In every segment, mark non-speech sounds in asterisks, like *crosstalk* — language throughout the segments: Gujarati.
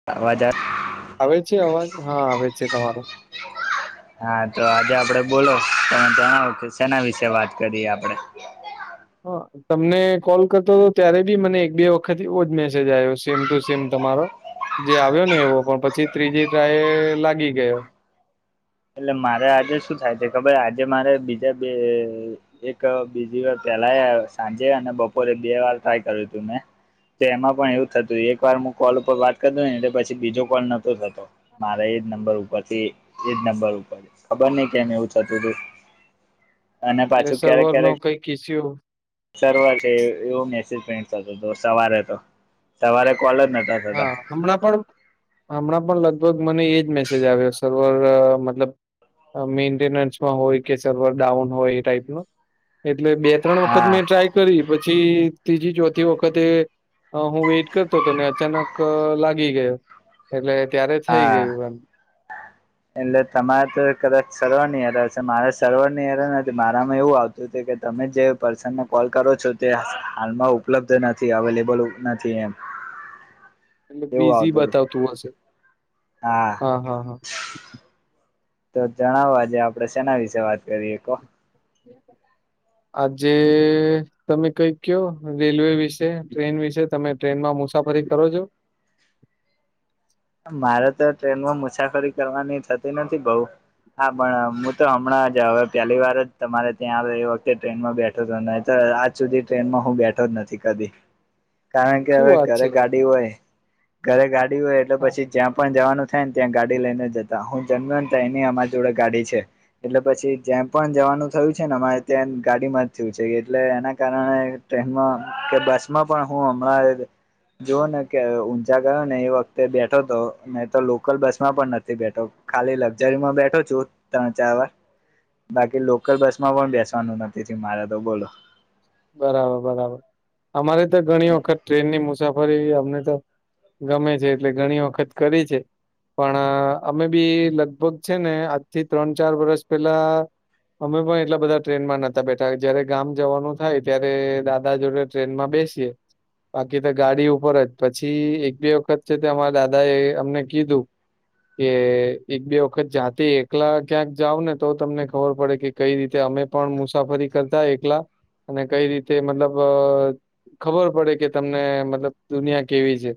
*unintelligible* આવે છે અવાજ? હા, આવે છે તમારો. હા, તો આજે આપડે બોલો, *unintelligible* સેના વિશે વાત કરીએ આપડે? હા. તમને કોલ કરતો તો, ત્યારે બી મને એક બે વખત એવોજ મેસેજ આયો. સેમ ટુ સેમ તમારો જે આવ્યો ને એવો, પણ પછી ત્રીજી ટ્રાયે લાગી ગયો. એટલે મારે આજે શું થાય છે ખબર આજે મારે બીજા બે એક બીજી વાર પેલાઆયો સાંજે અને બપોરે બે વાર ટ્રાય કર્યું તું મેં. તો એમાં પણ એવું થતું. એક વાર હું કોલ ઉપર વાત કર તોનેએટલે પછી બીજો કોલ નહોતો થતો. મારે એ જ નંબર ઉપરથી એજ નંબર ઉપર ખબર નહી કેમ? એવું થતું તું અને પાછું ક્યારેક ક્યારેક કોઈ કીસ્યું. સર્વર છે એવો મેસેજ ન‌ઈ થતો સવારે તો, સવારે કોલ જ નથી. હા, હમણાં પણ હમણાં પણ લગભગએજ મેસેજ આવ્યો. સર્વર મતલબ મેન્ટેનન્સમાં હોય કે સર્વર ડાઉન હોય એ ટાઈપનું એટલે બે ત્રણ વખત હા મેં ટ્રાય કરી. પછી ત્રીજી ચોથી વખતે હું વેઇટ કરતો તોને અચાનક લાગી ગયો એટલે ત્યારે થઈ હા ગયું એમ. એટલે તમારે તો કદાચ સરવરની હશે મારે સરવરની હેરનથી મારામાં એવું આવતું. કે તમે જે પર્સનલ કોલ કરો છો? તે હાલમાં ઉપલબ્ધ નથી. અવેલેબલ નથી. કે એમ. તો એવું બીઝી આવતું હતું બતાવતું હશે? હા. હ, હ, હ તો જણાવો આજે આપણે સેના વિશે વાત કરીએ. કો આજે તમે કઈક કયો? રેલવે વિશે ટ્રેન વિશે. તમે ટ્રેનમાં મુસાફરી કરો છો. મારે તો ટ્રેનમાં મુસાફરી કરવાની થતી નથી બઉ. હા, પણ મુ તો હમણાં જ હવે પહેલી વાર જ તમારે ત્યાં આવીએ વખતે ટ્રેનમાં બેઠા ન‌ઇતોઆજ સુધી ટ્રેનમાં હું બેઠો જ નથી કદી. કારણ કે શું હવે વાત ઘરે છે ગાડી હોય. ઘરે ગાડી હોય એટલે હા પછી જ્યાં પણ જવાનું થાયને, ત્યાં ગાડી લઈને જતા. હું જન‌મ્યોને તેયારની અમારી જોડે ગાડી છે. એટલે પછી જેયાપણ જવાનું થયું છે ને, અમારે ત્યાં ગાડીમાં જ જ‌ઈએછે. એટલે એના કારણે ટ્રેનમાં કે બસમાં પણ હું હમણાં જુઓને કે ઊંઝા ગેયાને એ વખતે બેઠ જોતો મે તો લોકલ બસમાં પણ નથી બેઠો. ખાલી લકઝરીમાં બેઠો છું. ત્રણ ચાર વાર બાકી લોકલ બસમાં પણ બેસવાનું નથી થીયુમારે તો બોલો બરાબર બરાબર. અમારે તો ઘણી વખત ટ્રેનની મુસાફરી અમને તો ગમે છે. એટલે ઘણી વખત કરી છે. પણ અમે બી લગભગ છે ને, આજથી ત્રણ ચાર વરસ પહેલાં અમે પણ એટલા બધાં ટ્રેનમાં નતાં બેઠા. જયારે ગામ જવાનું થાય, ત્યારે દાદા જોડે ટ્રેનમાં બેસીએ. બાકી તો ગાડી ઉપર જ. પછી એક બે વખત છે તે અમારા દાદા એ અમને કીધું? કેએએક બે વખત જાતે એકલા ક્યાંક જાવને તો, તમને ખબર પડે કે કઈ રીતેઅમે પણ મુસાફરી કરતાં એકલા અનેક‌ઈ રીતે મતલબ ખબર પડે, કે તમને મતલબ દુનિયા કેવી છે.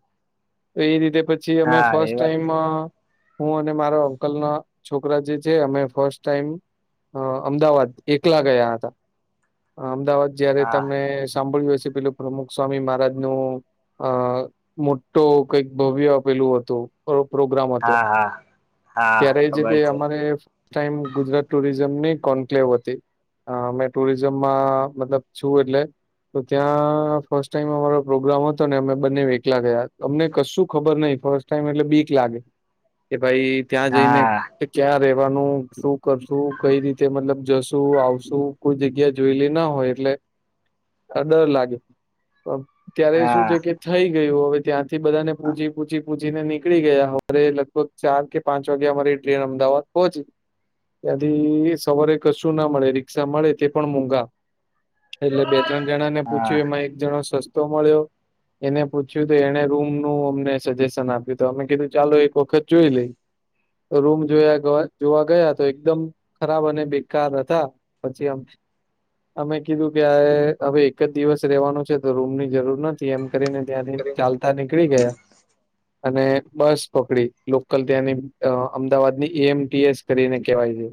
તો એ રીતે પછી જે અમે હા એ ફર્સ્ટ વાત ટાઈમ માં હું અને મારા અંકલના છોકરા જે છે, અમે ફસ્ટ ટાઈમ. અ અમદાવાદ એકલા ગયા હતા. અમદાવાદ જયારે હા તમે સાંભળ્યું હશે પેલું, સ્વામી મહારાજ નું અ મોટું કંઈક ભવ્ય અપેલું હતું. *unintelligible* પ્રોગ્રામહતો હા હા હા ત્યારે ખબર જતે, છે ટાઈમ ગુજરાત ટુરિઝમની કોન્ક્લેવ હતી અમે ટુરિઝમ. માં મતલબ છું, એટલે તો ત્યાં ફર્સ્ટ ટાઈમ અમારો પ્રોગ્રામ હતો, ને અમે બંને એકલા ગયા તાઅમને કશું ખબર નહિ ફર્સ્ટ. ફાસ્ટ ટાઈમ એટલે બીક લાગે કે ભાઈ ત્યાં જઈને, હા ક્યાં રેવાનું શું કરશું કંઈ રીતે મતલબ જશું આવશું કોઈ જગ્યા, જોયેલી ના હોય એટલે આ ડર લાગે ત્યારે શું છે, હા કે થઈ ગયું હવે ત્યાંથી બધાંને પૂછી પૂછી, પૂછીને નીકળી ગયા હવારે લગભગ ચાર કે પાંચ વાગે અમારી ટ્રેન અમદાવાદ પહોંચી, ત્યાંથી સવારે કશુંના મળે રીક્ષા મળે તે, પણ મોધા એટલે બે- ત્રણ જણા ને હા પૂછ્યું એમાં એક જણો સસ્તો મળ્યો. એને પૂછ્યું તો એને રૂમનું અમને સજેશન આપ્યું, તો અમે કીધું ચાલો એક વખત જોઈ લઈએ. રૂમ જોયા જોવા ગયા તો એકદમ ખરાબ અને બેકાર હતા, પછી અમે, અમે કીધું કેઆ હવે એક જ દિવસ રેવાનું છે, તો રૂમની જરૂર નથી એમ. કરીને ત્યાંથી ચાલતા નીકળી ગયા, અને બસ પકડી લોકલ ત્યાંની અમદાવાદની એમ, ટી, એસ. કરીને કેવાય છે,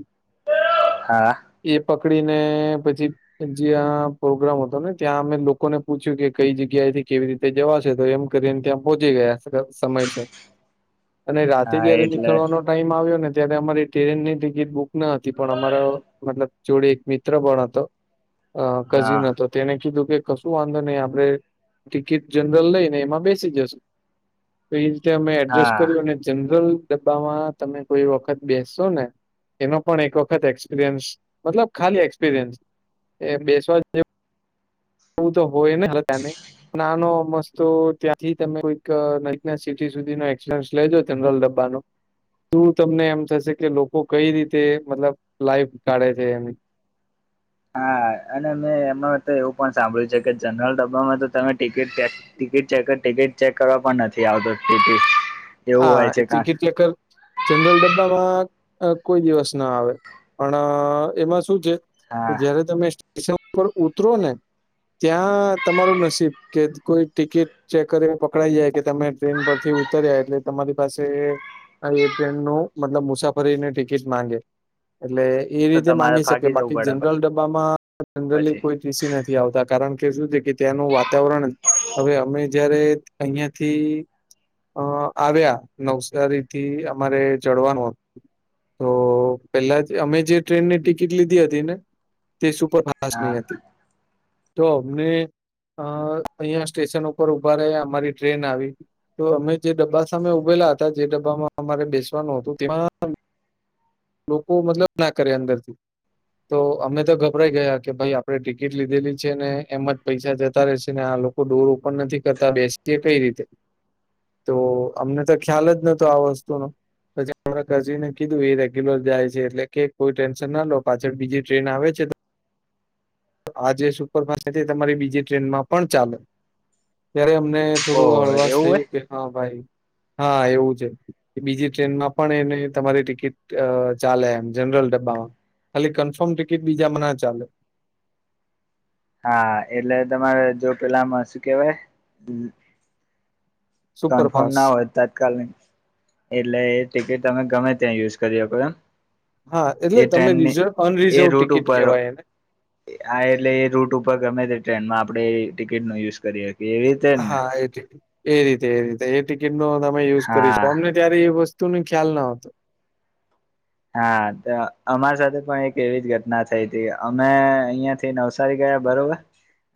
હા એ પકડીને પછી, જ્યાં પ્રોગ્રામ હતો ને ત્યાં અમે લોકોને પૂછ્યું કે કઈ જગ્યાએથી કેવી રીતે, તે જવાશે તો એમ કરીને ત્યાં પહોંચી ગયા સમયસર, હ *unintelligible* અને રાતે જયારે નીકળવાનો, ટાઈમ આવ્યોને ત્યારે અમારી ટ્રેનની ટિકિટ બુક ન હતી, પણ અમારો મતલબ જોડે એકમની. મિત્ર પણ હતો હા કઝિન હતો, તેને કીધું કે કશું વાંધો નહી આપણે ટિકિટ જનરલ લઈ ને એમાં બેસી જશું. તો રીતે એકજસ્ટ હા કર્યું અને જનરલ, ડબ્બામાં તમે કોઈ વખત બેસશોને, એનો પણ એક વખત એક્સપિરિયન્સ મતલબ ખાલી એક્સપિરિયન્સ એ બેસવા, એવું તો હોય નેહ તને, નાનો મસ્તો ત્યાંથી તમે કોઈક સિટી સુધી ન એક્સચેન્જ, લેજો જનરલ ડબ્બાનો‌. શું તમને એમ થશે કે લોકો કઈ રીતે મતલબ લાઈફ કાઢે છે, એમ હા અને મેં એમાં તો એવું પણ સાંભળ્યું છે, કે જનરલ ડબ્બામાં તો તમે ટિકિટ ક્યાંક. ટિકિટ ચેકર ટિકિટ ચેક કરવા પણ નથી આવતો, એવું હા હોય એ છે કા ટીકીટ ચેકર, જનરલ ડબ્બામાં કોઈ દિવસના આવે પણ એમાં શું છે, તો હા જયારે તમે સ્ટેશન ઉપર ઉતરોને, ત્યાં તમારું નસીબ કે કોઈ ટિકિટ, ચેક કરી પકડાઈ જાય કે તમે ટ્રેન પરથી ઉતર્યા એટલે, તમારી પાસે એ ટ્રેનનું મતલબ મુસાફરીને ટિકિટ માંગે, એટલે એ તો રીતે તમારે માંગી શકે ભાગી જવું બાકી પડે જનરલ ડબ્બામાં જનરલી પછી કોઈ, એસી નથી આવતા કારણ કે શું છે, કે ત્યાંનું વાતાવરણ. હવે અમે જયારે અહિયાંથી અ. આવ્યા નવસારી થી અમારે ચડવાનું હતું. તો પેલા અમે જે ટ્રેનની ટિકિટ લીધી હતી ને તે સુપર ફાસ્ટ હતી. ખાસ હા નહીં હતી તો અમને. અ અહિયાં સ્ટેશન ઉપર ઉભા રહેયા અમારી ટ્રેન આવી તોઅમે જે ડબ્બા. સામે ઉભેલા હતા જે ડબ્બામાં અમારે બેસવાનું હતું તેમાં. લોકો મતલબ ના કરે અંદરથી તો અમે તો ગભરાઈ ગયા કે ભાઈ આપણે ટિકિટ લીધેલી છે ને એમ જ પૈસા જતા રશે ને આ લોકો. ડોર ઓપન નથી કરતા બેસીએ કઈ રીતે. *unintelligible* તો અમને તો ખ્યાલ નતો આ વસ્તુ નોપછી કજીને કીધું. *unintelligible* એટલે કે કોઈ ટેન્શન ના લો પાછળ બીજી આવે છે. આજે સુપરફાસ્ટ *unintelligible* તમારી બીજી ટ્રેનમાં પણ ચાલે ત્યારે અમને. ઓહો થોડું હળવાશ એવું હોય થયું કે હ ભાઈ. હા એવું છે બીજી ટ્રેનમાં પણ એને તમારી ટિકિટ. ચાલે એમ જનરલ ડબ્બામાં ખાલી કન્ફર્મ ટિકિટ બીજામાં ના ચાલે. હા એટલે તમારે જો પેલામાં શું કેવાય. કન્ફર્મ સુપરફાસ્ટ ના હોય તાત્કાલ એટલે એ ટિકિટ તમે ગમે ત્યાં યુઝ કરી શકો એમ. હા એટલે એ તમને ટ્રેનની રિઝર્વ એ અનરિઝર્વ રૂટ ટિકિટ ઉપર કેવાય એને. એટલે એ રૂટ ઉપર ગમે તે ટ્રેનમાં આપણેે એ ટિકિટ નો યુઝ કરી શકીએ એવી. જ ને હા એ રીતે એ રીતે એ ટિકિટ નો તમે યુઝ હા કરીશું અમોને. અત્યારે એ વસ્તુ નો ખ્યાલ ના‌હોય. હા અમારા સાથે પણ એક એવી જ ઘટના થઈ હતી અમે. તે નવસારી ગયા બરોબર.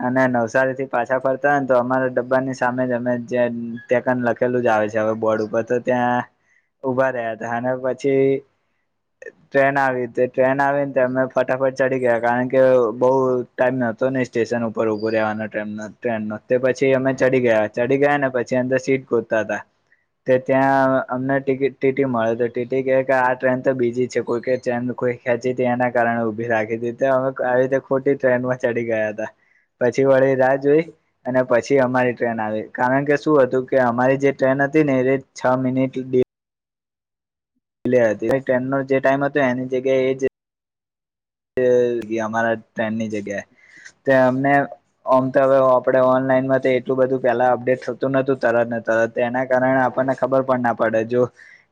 અને નવસારી થી પાછા ફરતા હોય ને તો અમારા ડબ્બા ની સામે જ અમે જે ટેકન લખેલું જ આવે છે. હવે બોર્ડ ઉપર તો ત્યાં ઉભા રહ્યા હતા અને પછી. ટ્રેન આવી તે ટ્રેન આવીને તો અમે ફટાફટ ચડી ગયા કારણ કે ટાઈમ હતો નહી સ્ટેશન ઉપર ઊભો રહેવાનો ટ્રેનનો તે પછી અમે ચડી ગયા. ચડી ગયા ને પછી અંદર સીટ ગોતતા તા તે ત્યાં અમને ટિકિટ ટીટી મળે તો કે આ ટ્રેન. તો બીજી છે કોઈ ચેન કોઈ ખેંચીતી એના કારણે ઉભી રાખી તી આવી રીતે. ખોટી ટ્રેનમાં ચડી ગયા હતા પછી વળી રાહ જોઈ. અને પછી અમારી ટ્રેન આવી કારણ કે શું હતું કે અમારી જે ટ્રેન હતી ને એ છ મિનિટ *unintelligible* ટ્રેનનો જે ટાઈમ હતો એની જગ્યાએ એ જ. એગીઅમારા ટ્રેન ની જગ્યાએ તો અમને. ઓમતો હવે આપડે ઓનલાઈન એટલું બધું પેલા અપડેટ થતું નતું તરત જ. અ તેના કારણે આપણને ખબર પણ ના પડે જો.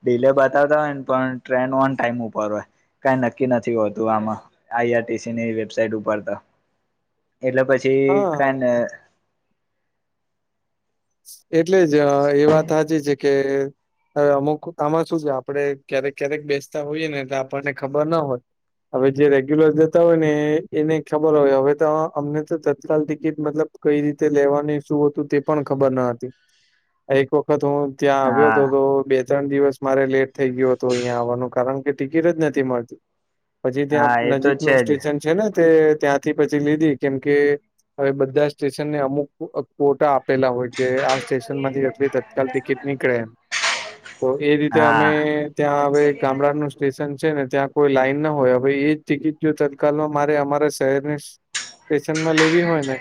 ડીલે બતાવતા હોય ને પણ ટ્રેન ઓન ટાઈમ ઉપર હોય કાંઈ નક્કી નથી હોતું આમાં. અહીંયાથી વેબસાાઈટ ઉપર તો એટલે પછી હા, કઈને. એટલે જ એ વાત હાચી છે કે. હવે અમુક આમાં શું છે આપડે ક્યારેક ક્યારેક બેસતા હોઈએ ને એટલે આપણને ખબર ના હોય. હવે જે રેગ્યુલર જતા હોય ને એને ખબરહોય હવે તો અમને તો તત્કાલ ટિકિટ મતલબ. કંઈ રીતે લેવાની શું હતું તે પણ. ખબર ન હતી એક વખત હું ત્યાં આવ્યો હતો હા તો બે ત્રણ દિવસ. મારે લેટ થઈ ગ્યો હતો અહીંયા આવવાનું કારણ કે ટિકિટ જ નથી મળતી. પછી હા એ ત્યાં તો નજીકનું છે જ સ્ટેશન છે ને તે ત્યાંથી પછી લીધી કેમ કે. હવે બધા સ્ટેશનને અમુક કોટા આપ પેલા હોય કે આ સ્ટેશન માંથી જેટલી તત્કાલ ટિકિટ નીકળે એમ તો એ રીતે અમે હા ત્યાં હવે ગામડાનું સ્ટેશન છે ને ત્યાં કોઈ લાઈન ન હોય હવે એજ ટિકિટ જો તત્કાલમાં મારે અમારા શહેરની ટેશનમાં લેવી હોય ને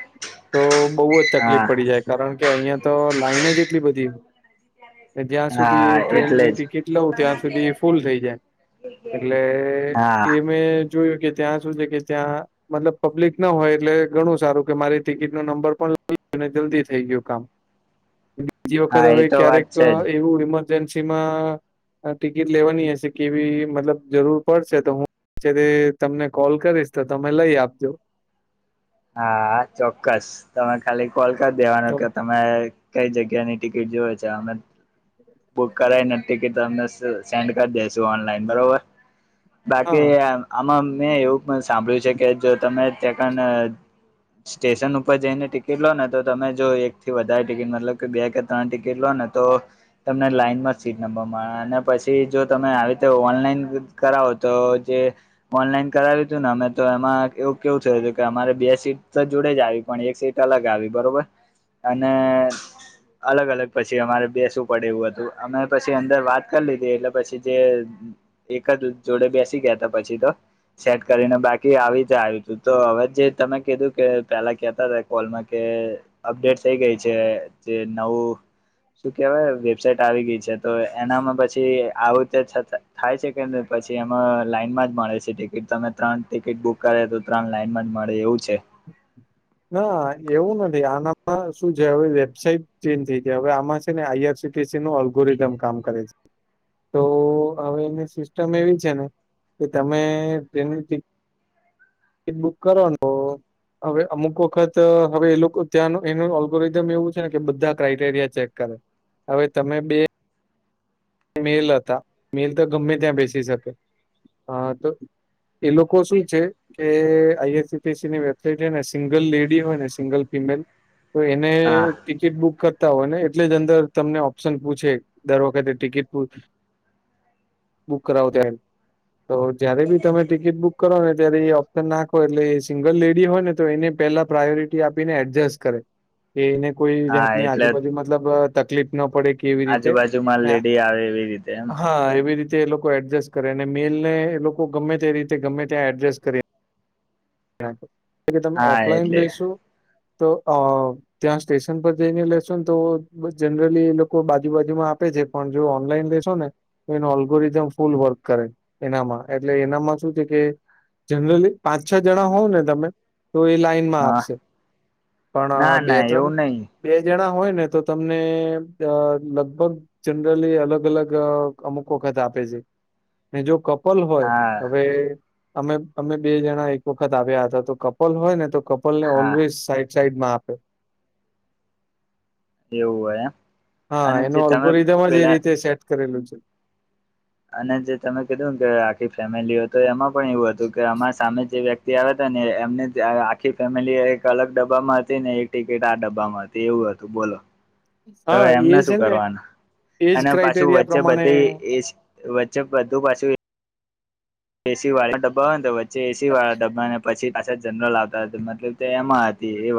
તો બોવજ તકલીફ હા પડી જાય કારણ કે અયાં તો લાઈન જ એટલી બધી જ્યાં સુધી હા એટલે ટ્રેનની જ ટિકિટ લઉં ત્યાં સુધી ફૂલ થઈ જાય એટલે હા એ મેં જોયું કે ત્યાં શું છે કે ત્યાં મતલબ પબ્લિક ન હોય એટલે ઘણું સારું કે મારી ટિકિટ નો નંબર પણ લઈ ને જલ્દી થઈ ગયું કામ બીજી વખત હા એ હવે તો વાત ક્યારેક છે જ એવું ઈમરજન્સીમાં ટિકિટ લેવાની હશે કેવી મતલબ જરૂર પડશે તો હું ત્યારે તમને કોલ કરીશ તો તમે લઈ આપજો હા ચોક્કસ તમે ખાલી કોલ કર દેવાનો તમ કે ત મે કઈ જગ્યાની ટિકિટ જોવે છે અમે બુક કરાઇને ટિકિટ તમને સ સેન્ડ કરી દેશું ઓનલાઈન બરોબર બાકી હા આમાં મેં એવું પન સાંભળ્યું છે કે જો તમે તેકન સ્ટેશન ઉપર જઈને ટીકી ઇલો ને તો તમે જો એક થી વધારે ટિકિટ મતલબ કે બે કે તણ લો ને તો તમને લાઈનમાં સીટ નંબર મળે અને પછી જો તમે આવી રીતે ઓનલાઈન કરાવો તો જે ઓનલાઈન કરાવ્યું તું ને અમે તો એમાં એવું કેવું થયેલું કે અમારે બે સીટ તો જોડે જ આવી પણ એક સીટ અલગ આવી બરોબર અને અલગ અલગ પછી અમારે બેસવુ પડે એવું હતું અમે પછી અંદર વાત કરી લીધી એટલે પછી જે એકજ જોડે બેસી ગયા તા પછી તો સેટ કરીને બાકી આવી જ આયું તું તો હવે જે તમે કીધું કે પેલા કેતા તા કોલમાં કે અપડેટ થઈ ગઈ છે જે નવું શું કેવાય વેબસાાઈટ આવી ગઈ છે તો એનામાં પછી આવું તે થાતા થાય છે કે પછી એમાં લાઈનમાં જ મળે છે ટિકિટ તમે ત્રણ ટિકિટ બુક કરે તો ત્રણ લાઈનમાં જ મળે એવું છે. ના એવું નથી આનામાં શું છે અવે વેબસાાઈટ ચેન્જ થઈ જાય અવે આમાં છે ને આઈઆરસી સી ટી સીનો અલ્ગોરિધમ કામ કરે છે. તો હવે એની સિસ્ટમ એવી છે ને કે તમે ટ્રેનની ટી કિટ બુક કરવાનું તો હવે અમુક વખત હવે એ લોકો ત્યાંનો એનું અલ્ગોરિધમ એવું છે ને કે બધા ક્રાઈટેરિયા ચેક કરે હવે તમે બે મેલ અતા મેલ તો ગમે ત્યાં બેસી શકે હ તો એ લોકો શું છે કે આઈએસસીટીસી ની વેબસાઇટ હે ને સિંગલ લેડી હોય ને સિંગલ ફિમેલ તો એને હા ટી કિટ બુક કરતા હોય ને એટલે જ અંદર તમને ઓપ્શન પૂછે દર વખતે ટિકિટ બુક કરાવો ત્યારે તો જયારે બી તમે ટિકિટ બુક કરો ને ત્યારે એ ઓપ્શન નાખો એટલે એ સિંગલ લેડી હોય ને તો એને પેલા પ્રાયોરિટી આપીને એડજસ કરે કે એને કોઈ હા જાતની એટલે આજુબાજુ મતલબ તકલીફ ન પડે કે એવી રીતે આજુબાજુમાં લેડી આવે એવી રીતે એમ હા એવી રીતે એ લોકો એડજસ્ટ કરે અને મેલ ને એ લોકો ગમે તે રીતે ગમે ત્યાં એડજસ્ટ કરે કે તમે હા ઓફલાઈન એટલે લઈશો તો અ ત્યાં સ્ટેશન પર જઈને લેશો ને તો બસ જનરલી એ લોકો બાજુ બાજુમાં આપે છે. પન જો ઓનલાઈન લેશો ને તો એનો ઓલ્ગોરિધમ ફૂલ વર્ક કરે એનામાં. એટલે એનામાં શું છે કે જનરલી પાંચ છ જણા હોવ ને તમે તો એ લાઈ માં હ આપશે પણ ના બે ના ત્રણ એવું નહી બે જણા હોય ને તો તમને અ લગભગ જનરલી અલગ અલગ અ-અમુક વખત આપે છે. ને જો કપલ હોય હા હવે અમે અમે બે જણા એ ક વખત આવ્યા હતા. તો કપલ હોય ને તો કપલને હા ઓલવેઇઝ સાઈડ સાઈડમાં આપે. એવું હોય એમ હા અને જે એનું તમે અલ્ગોરિધમ જ એ પેલા રીતે સેટ કરેલું છે. અને જે તમે કીધુંને કે આખી ફેમિલી હોય તો એમાં પણ એવું હતું કે અમારા સામે જે વ્યક્ તિ આવ્યાતા ને એમને જ અ આખી ફેમિલી એક અલગ ડબ્બામાં હતી ને એક ટિકિટ આ ડબ્બામાં હ તી એવું હતું. બોલો. તો હા એમને એ શું છે ને કરવાનું? એજ અને પાછું ક્રાઈટેરિયા વચ્ચે પ્રમાણે બધી એ વચ્ચે બધું પાછું એ એ સીવાળા ડબ્બા હોયને તો વચ્ચે એ સીવાળા ડબ્બા અને વચ્ચે પાછા જનરલ આવતા હતા. મતલબ તે એમાં હતી એવ